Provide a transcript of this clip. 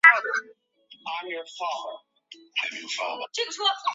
位在奈良县吉野郡天川村。